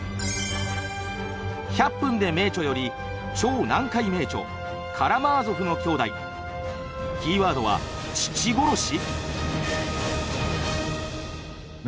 「１００分ｄｅ名著」より「超難解名著『カラマーゾフの兄弟』キーワードは“父殺し”」。